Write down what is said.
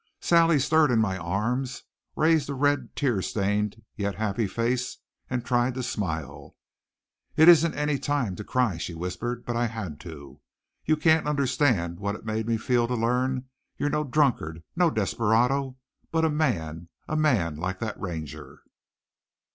Sally stirred in my arms, raised a red, tear stained yet happy face, and tried to smile. "It isn't any time to cry," she whispered. "But I had to. You can't understand what it made me feel to learn you're no drunkard, no desperado, but a man a man like that Ranger!"